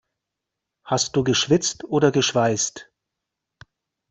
Hast du geschwitzt oder geschweißt?